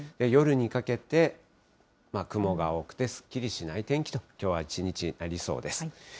夜にかけて、雲が多くて、すっきりしない天気と、きょうは一日なりそうです。